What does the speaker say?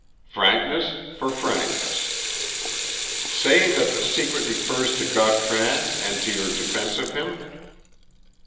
Frankness for frankness. Say that the secret refers to Gautran and to your defence of him?"